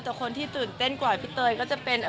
แต่คนที่ตื่นเต้นกว่าพี่เตยก็จะเป็น